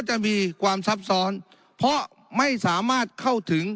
จะมีความซับซ้อนเพราะไม่สามารถเข้าถึง